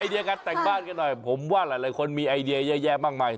เดียการแต่งบ้านกันหน่อยผมว่าหลายคนมีไอเดียเยอะแยะมากมาย